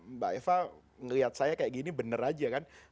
mbak eva melihat saya seperti ini benar saja kan